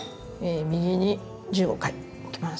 右に１５回。いきます。